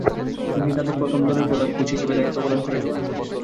তিনি তাদের প্রথম দলের প্রধান কোচ হিসেবে দায়িত্ব পালন করেছেন।